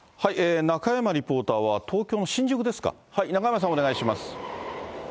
中山リポーターは東京の新宿ですか、中山さん、お願いします。